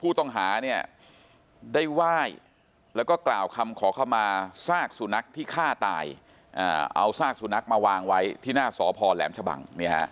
ผู้ต้องหาเนี่ยได้ไหว้แล้วก็กล่าวคำขอเข้ามาซากสุนัขที่ฆ่าตายเอาซากสุนัขมาวางไว้ที่หน้าสพแหลมชะบัง